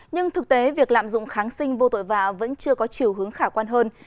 nhưng thực tế việc lạm dụng kháng sinh vô tội vạ vẫn chưa có chiều hướng khả quan hơn